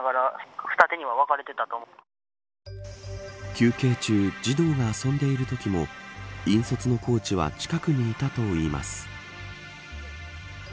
休憩中児童が遊んでいるときも引率のコーチは近くにいたといいます。